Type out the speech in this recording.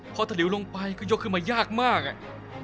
พอถลิวลงไปก็ยกขึ้นมายากมากอ่ะ